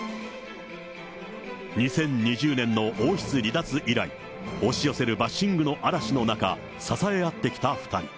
２０２０年の王室離脱以来、押し寄せるバッシングの嵐の中、支え合ってきた２人。